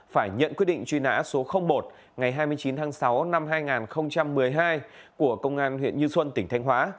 phải nhận quyết định truy nã số một ngày hai mươi chín tháng sáu năm hai nghìn một mươi hai của công an huyện như xuân tỉnh thanh hóa